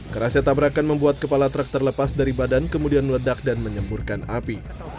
kerasnya tabrakan membuat kepala truk terlepas dari badan kemudian meledak dan menyemburkan api